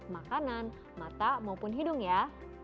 makanan mata maupun hidung ya